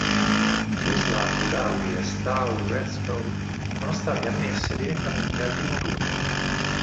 Wisła Puławy e Stal Rzeszów sono state ammesse direttamente al primo turno.